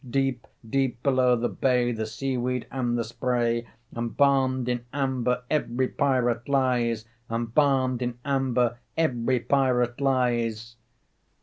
Deep, deep below the bay, the sea weed and the spray, Embalmed in amber every pirate lies, Embalmed in amber every pirate lies."